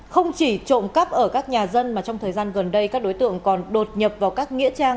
không chỉ trộm cắp ở các nhà dân mà trong thời gian gần đây các đối tượng còn đột nhập vào các nghĩa trang